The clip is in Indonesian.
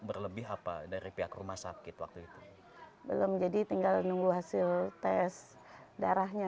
berlebih apa dari pihak rumah sakit waktu itu belum jadi tinggal nunggu hasil tes darahnya